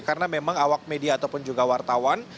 karena memang awak media ataupun juga wartawan